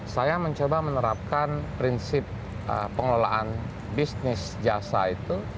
saya mencoba menerapkan prinsip pengelolaan bisnis jasa itu